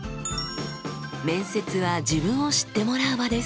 面接は自分を知ってもらう場です。